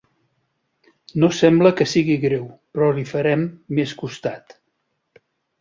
No sembla que sigui greu, però li farem més costat.